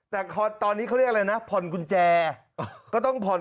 แต่ตอนนี้เขาเรียกอะไรนะผ่อนกุญแจก็ต้องผ่อน